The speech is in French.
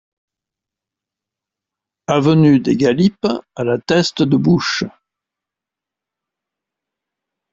Avenue des Galipes à La Teste-de-Buch